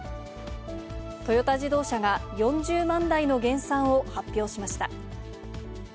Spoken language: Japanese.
トヨタ自動車が、４０万台の減産を発表しました。